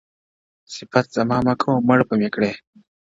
صفت زما مه كوه مړ به مي كړې؛